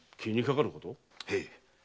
へい。